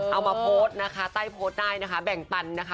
เอามาโพสต์นะคะใต้โพสต์ได้นะคะแบ่งปันนะคะ